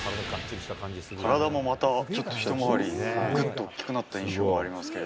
体もまたちょっとひとまわり一回り、ぐっと大きくなった印象がありますけど。